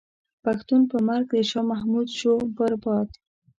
پښتون په مرګ د شاه محمود شو برباد.